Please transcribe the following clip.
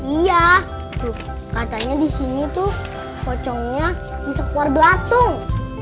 iya katanya disini tuh pocongnya bisa keluar belacung